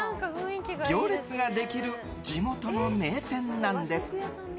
行列ができる地元の名店なんです。